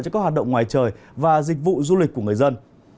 cho các hoạt động ngoài trời và dịch vụ du lịch của người dân